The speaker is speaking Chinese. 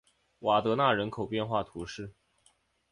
瓦德奈人口变化图示